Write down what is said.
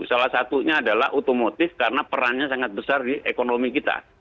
salah satunya adalah otomotif karena perannya sangat besar di ekonomi kita